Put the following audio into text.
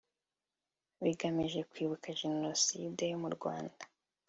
bigamije kwibuka jenoside yo mu rwanda